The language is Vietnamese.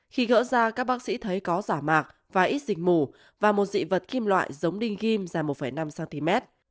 khi gỡ ra các bác sĩ thấy có giả mạc và ít dịch mù và một dị vật kim loại giống đinh kim dài một năm cm